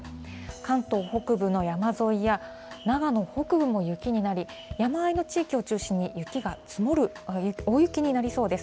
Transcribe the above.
関東北部の山沿いや長野北部も雪になり、山あいの地域を中心に雪が積もる、大雪になりそうです。